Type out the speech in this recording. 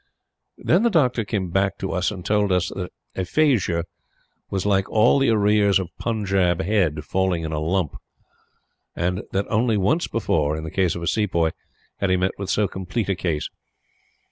Then the Doctor came back to us and told us that aphasia was like all the arrears of "Punjab Head" falling in a lump; and that only once before in the case of a sepoy had he met with so complete a case.